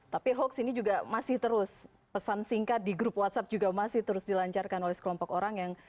tapi hoax ini juga masih terus pesan singkat di grup whatsapp juga masih terus dilancarkan oleh sekelompok orang yang